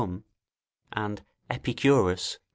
181, and Epicurus, x.